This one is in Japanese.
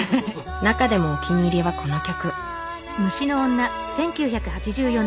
中でもお気に入りはこの曲。